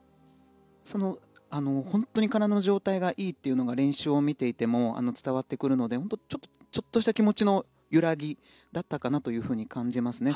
本当に体の状態がいいというのが練習を見ていても伝わってくるのでちょっとした気持ちの揺らぎだったかなと感じますね